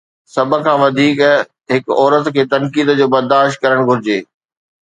سڀ کان وڌيڪ، هڪ عورت کي تنقيد ڇو برداشت ڪرڻ گهرجي؟